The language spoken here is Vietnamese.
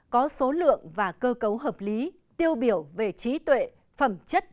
có số lượng và cơ cấu hợp lý tiêu biểu về trí tuệ phẩm chất